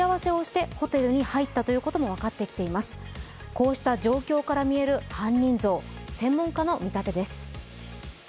こうした状況からみえる犯人像、専門家の見立てです。